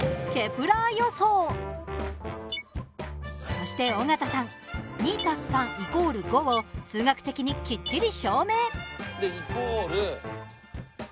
そして尾形さん２＋３＝５を数学的にきっちり証明。